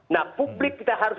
nah publik kita harus